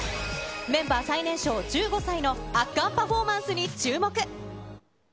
メンバー最年少、１５歳の圧巻パフォーマンスに注目。